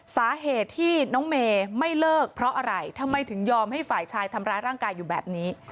สาเหตุที่น้องเมย์ไม่เลิกเพราะอะไรทำไมถึงยอมให้ฝ่ายชายทำร้ายร่างกายอยู่แบบนี้